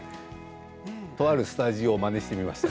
とあるスタジオをまねしてみました。